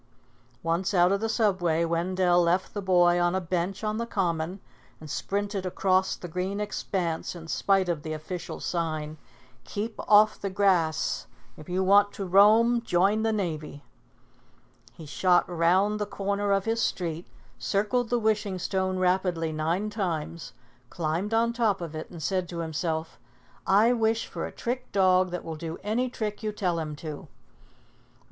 Once out of the Subway, Wendell left the boy on a bench on the Common, and sprinted across the green expanse, in spite of the official sign, KEEP OFF THE GRASS IF YOU WANT TO ROAM JOIN THE NAVY He shot around the corner of his street, circled the Wishing Stone rapidly nine times, climbed on top of it and said to himself, "I wish for a trick dog that will do any trick you tell him to."